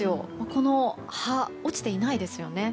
木の葉落ちてないですよね。